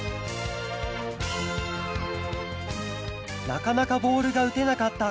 なかなかボールがうてなかった